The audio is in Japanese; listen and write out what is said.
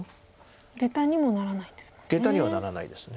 ゲタにもならないんですもんね。